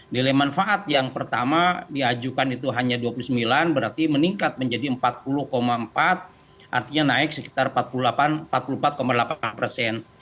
nilai manfaat yang pertama diajukan itu hanya dua puluh sembilan berarti meningkat menjadi empat puluh empat artinya naik sekitar empat puluh empat delapan persen